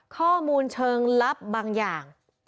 ข้อมูลเชิงลับบางอย่าง